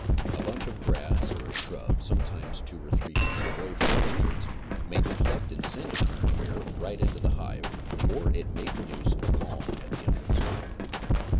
A bunch of grass or a shrub, sometimes two or three feet away from the entrance may deflect and send a current of air right into the hive, or it may produce a calm at the entrance.